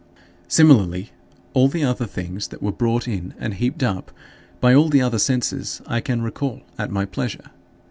Similarly all the other things that were brought in and heaped up by all the other senses, I can recall at my pleasure.